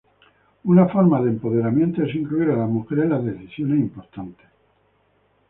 Una forma de empoderamiento es incluir a las mujeres en las decisiones importantes.